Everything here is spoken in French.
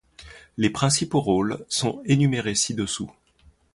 Les principaux rôles sont énumérés ci-dessous.